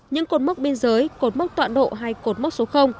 những cột mốc biên giới cột mốc tọa độ hay cột mốc số